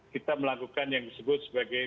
kita melakukan yang disebut sebagai